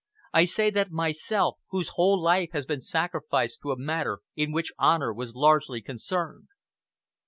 I say that myself, whose whole life has been sacrificed to a matter in which honor was largely concerned."